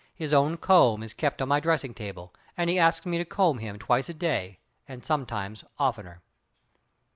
His own comb is kept on my dressing table, and he asks me to comb him twice a day, and sometimes oftener.